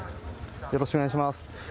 よろしくお願いします。